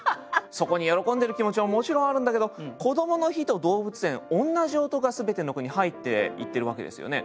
そこに喜んでいる気持ちももちろんあるんだけど「こどもの日」と「動物園」同じ音が全ての句に入っていってるわけですよね。